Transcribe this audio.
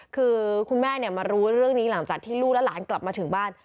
คือคุณแม่มารู้เรื่องนี้หลังจากที่ลูกและหลานกลับมาถึงบ้าน